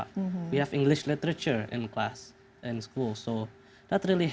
kita punya literatur bahasa inggris di kelas di sekolah